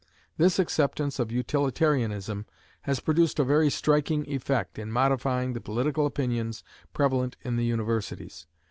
This acceptance of utilitarianism has produced a very striking effect in modifying the political opinions prevalent in the universities.